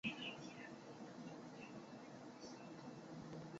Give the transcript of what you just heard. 吐氏暗哲水蚤为厚壳水蚤科暗哲水蚤属下的一个种。